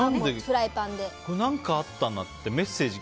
何かあったなってメッセージ。